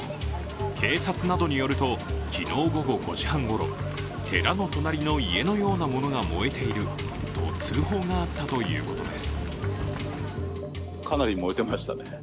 警察などによると昨日午後５時半ごろ寺の隣の家のようなものが燃えていると通報があったということです。